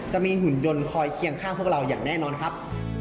หุ่นยนต์คอยเคียงข้างพวกเราอย่างแน่นอนครับ